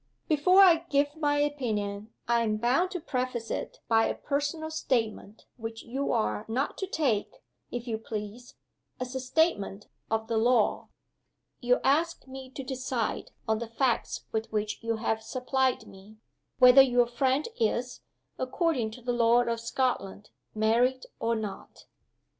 "Before I give my opinion I am bound to preface it by a personal statement which you are not to take, if you please, as a statement of the law. You ask me to decide on the facts with which you have supplied me whether your friend is, according to the law of Scotland, married or not?"